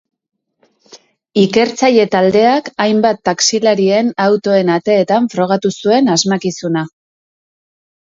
Ikertzaile taldeak hainbat taxilarien autoen ateetan frogatu zuen asmakizuna.